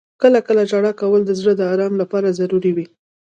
• کله کله ژړا کول د زړه د آرام لپاره ضروري وي.